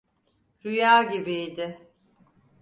Rüya gibiydi.